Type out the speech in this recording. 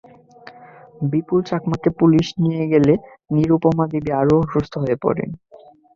বিপুল চাকমাকে পুলিশ নিয়ে গেলে নিরুপমা দেবী আরও অসুস্থ হয়ে পড়েন।